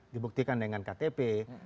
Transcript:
dibuktikan dengan ktp